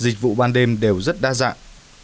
dịch vụ ban đêm đều rất đa dạng